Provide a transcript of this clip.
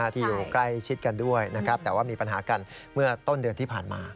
ที่อยู่ใกล้ชิดกันด้วยนะครับแต่ว่ามีปัญหากันเมื่อต้นเดือนที่ผ่านมา